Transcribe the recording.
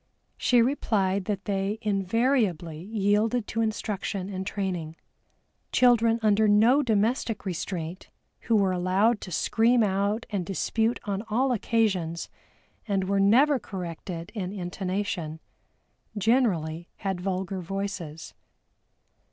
She replied that they invariably yielded to instruction and training. Children under no domestic restraint who were allowed to scream out and dispute on all occasions and were never corrected in intonation, generally had vulgar voices.